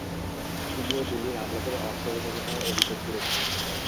তিনিও দিল্লির আমলাদের অসহযোগিতার অভিযোগ তুলেছেন।